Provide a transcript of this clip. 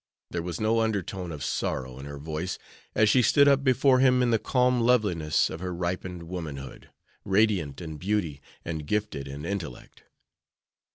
There was no undertone of sorrow in her voice as she stood up before him in the calm loveliness of her ripened womanhood, radiant in beauty and gifted in intellect.